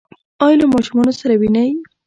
ایا له ماشومانو سره وینئ؟